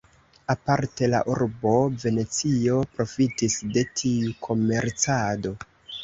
Aparte la urbo Venecio profitis de tiu komercado.